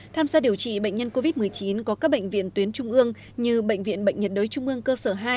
tham gia điều trị bệnh nhân covid một mươi chín có các bệnh viện tuyến trung ương như bệnh viện bệnh nhiệt đới trung ương cơ sở hai